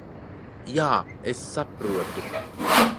Jā, es saprotu.